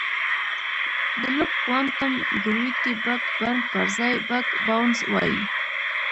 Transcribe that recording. د لوپ کوانټم ګرویټي بګ بنګ پر ځای بګ باؤنس وایي.